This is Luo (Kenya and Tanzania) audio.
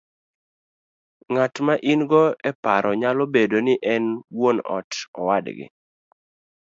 Ng'at ma in go e paro nyalo bedo ni en wuon ot, owadgi,